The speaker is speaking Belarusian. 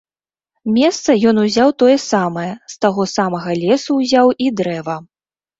Месца ён узяў тое самае, з таго самага лесу ўзяў і дрэва.